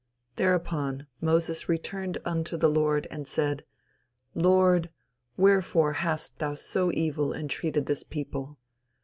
Thereupon, Moses returned unto the Lord and said "Lord, wherefore hast thou so evil entreated this people?